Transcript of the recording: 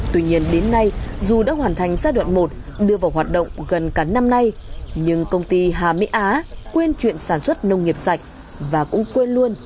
tuy nhiên đến nay dù đã hoàn thành giai đoạn một đưa vào hoạt động gần cả năm nay nhưng công ty hà mỹ á quên chuyện sản xuất nông nghiệp sạch và cũng quên luôn